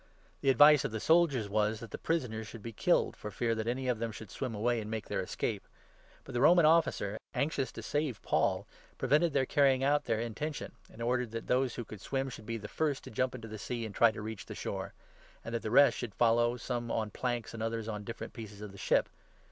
The advice of the soldiers was that the prisoners 42 should be killed, for fear that any of them should swim away and make their escape. But the Roman Officer, anxious 43 to save Paul, prevented their carrying out their intention, and ordered that those who could swim should be the first to jump into the sea and try to reach the shore ; and that the 44 rest should follow, some on planks, and others on different pieces of the ship.